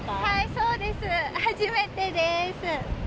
そうです、初めてです。